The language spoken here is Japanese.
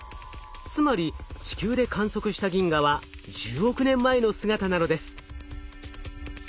つまり地球で観測した銀河は１０億年前の姿なのです。